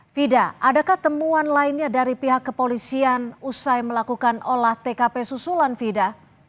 fida adakah temuan lainnya dari pihak kepolisian usai melakukan olah tkp susulan fida